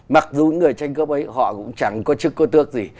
mặc dù những người tranh cấp ấy họ cũng chẳng có chức có tước gì